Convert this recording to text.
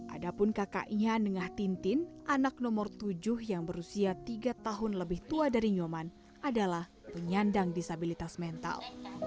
ada pun kakaknya nengah tintin anak nomor tujuh yang berusia tiga tahun lebih tua dari nyoman adalah penyandang disabilitas mental